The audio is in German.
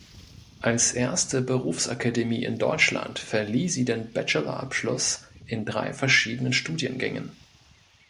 Als erste Berufsakademie in Deutschland verlieh sie den Bachelor-Abschluss in drei verschiedenen Studiengängen.